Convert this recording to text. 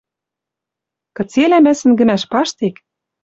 Кыцелӓ мӓ Сӹнгӹмӓш паштек